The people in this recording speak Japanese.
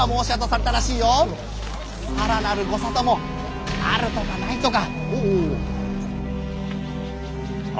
さらなるご沙汰もあるとかないとか。